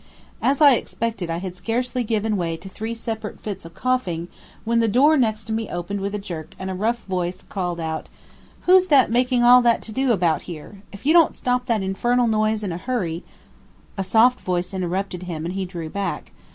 As I expected I had scarcely given way to three separate fits of coughing, when the door next me opened with a jerk and a rough voice called out, "Who's that making all that to do about here? If you don't stop that infernal noise in a hurry " A soft voice interrupted him and he drew back.